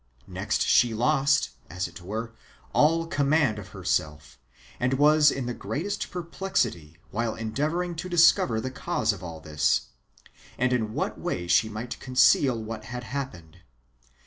Next she lost, as it w^ere, all command of lierself, and was in the greatest perplexity while endeavouring to discover the cause of all this, and in what way she might conceal what had happened.